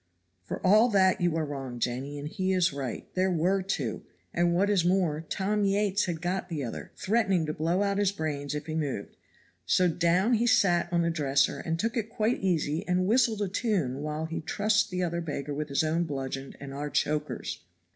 "For all that you are wrong, Jenny, and he is right there were two; and, what is more, Tom Yates had got the other, threatening to blow out his brains if he moved, so down he sat on the dresser and took it quite easy and whistled a tune while we trussed the other beggar with his own bludgeon and our chokers.